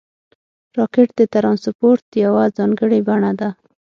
راکټ د ترانسپورټ یوه ځانګړې بڼه ده